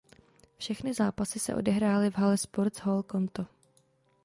Všechny zápasy se odehrály v hale Sports Hall Konto.